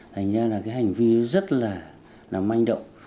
thành ra là cái hành vi rất là manh động